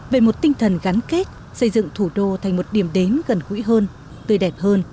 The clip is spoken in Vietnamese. về một tinh thần gắn kết xây dựng thủ đô thành một điểm đến gần gũi hơn tươi đẹp hơn